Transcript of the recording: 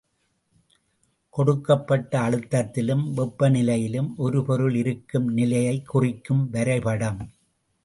கொடுக்கப்பட்ட அழுத்தத்திலும் வெப்பநிலையிலும் ஒருபொருள் இருக்கும் நிலையைக் குறிக்கும் வரைபடம்.